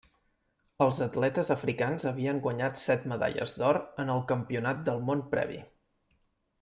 Els atletes africans havien guanyat set medalles d'or en el Campionat del Món previ.